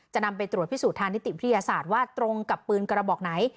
นำไปตรวจพิสูจนทางนิติวิทยาศาสตร์ว่าตรงกับปืนกระบอกไหน